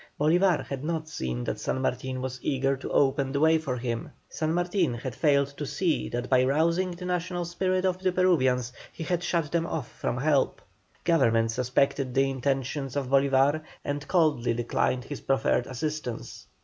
Bolívar had not seen that San Martin was eager to open the way for him; San Martin had failed to see that by rousing the national spirit of the Peruvians he had shut them off from help. Government suspected the intentions of Bolívar, and coldly declined his proffered assistance.